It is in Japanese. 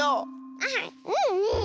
あっいいねえ！